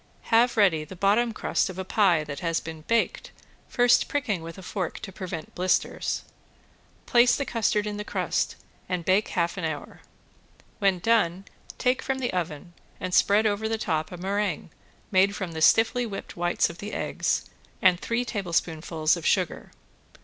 Have ready the bottom crust of a pie that has been baked, first pricking with a fork to prevent blisters. Place the custard in the crust and bake half an hour. When done take from the oven and spread over the top a meringue made from the stiffly whipped whites of the eggs, and three tablespoonfuls of sugar.